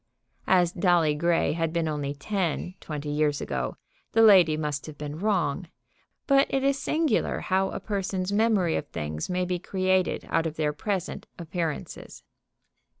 As Dolly Grey had been only ten twenty years ago, the lady must have been wrong. But it is singular how a person's memory of things may be created out of their present appearances.